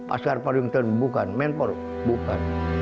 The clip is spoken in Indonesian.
askar padungten bukan mentor bukan